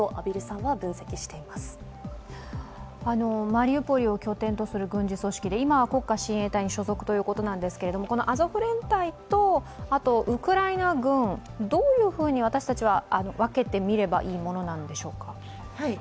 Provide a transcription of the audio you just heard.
マリウポリを拠点とする軍事組織で今、国家親衛隊に所属ということなんですけどこのアゾフ連隊とウクライナ軍、どういうふうに私たちは分けて見ればいいものなんでしょうか。